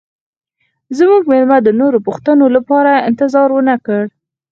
زموږ میلمه د نورو پوښتنو لپاره انتظار ونه کړ